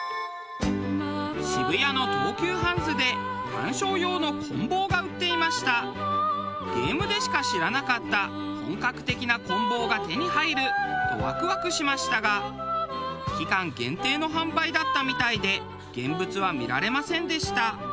渋谷の東急ハンズでゲームでしか知らなかった本格的なこん棒が手に入る！とワクワクしましたが期間限定の販売だったみたいで現物は見られませんでした。